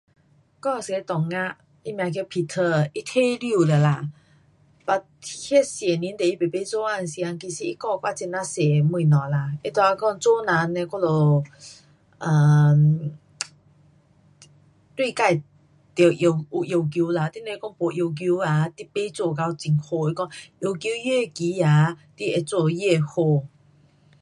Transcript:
我有一个同学，他名叫 Peter 他退休了啦，but 那十年我做工时间，其实他教我很呀多的东西啦，他跟我讲做人嘞我们 um 对自得有要求啦，你若是没要求啊，你不做到很好，要求越高啊你会做越好。